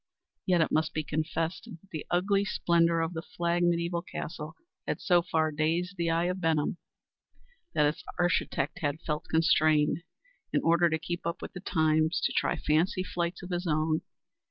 Yet it must be confessed that the ugly splendor of the Flagg mediæval castle had so far dazed the eye of Benham that its "arshitect" had felt constrained, in order to keep up with the times, to try fancy flights of his own.